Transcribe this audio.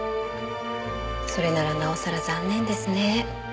それならなおさら残念ですね。